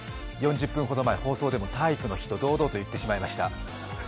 ４０分ほど前、放送でも体育の日と堂々と言ってしまいました。